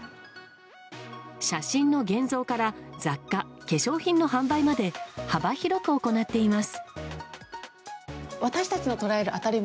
写真の現像から雑貨、化粧品の販売まで幅広く行っています。